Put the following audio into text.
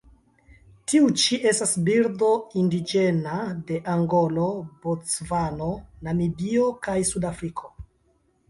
Tiu ĉi estas birdo indiĝena de Angolo, Bocvano, Namibio kaj Sudafriko.